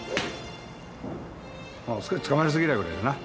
少しつかまりすぎたくらいだな。